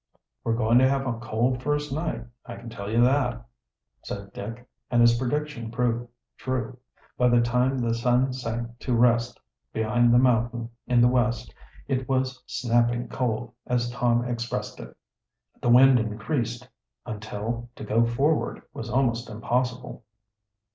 "We're going to have a cold first night, I can tell you that," said Dick, and his prediction proved true. By the time the sun sank to rest behind the mountain in the west it was "snapping cold," as Tom expressed it. The wind increased until to go forward was almost impossible.